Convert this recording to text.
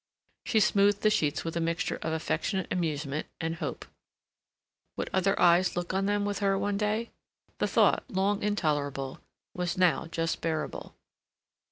She smoothed the sheets with a mixture of affectionate amusement and hope. Would other eyes look on them with her one day? The thought, long intolerable, was now just bearable.